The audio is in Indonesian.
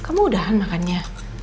kamu udahan makannya